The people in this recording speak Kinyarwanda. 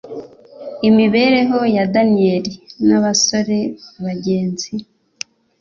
Imibereho ya Daniyeli nabasore bagenzi